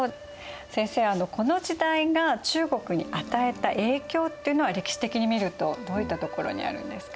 先生この時代が中国に与えた影響っていうのは歴史的に見るとどういったところにあるんですか？